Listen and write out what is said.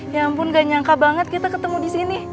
ya ampun gak nyangka banget kita ketemu disini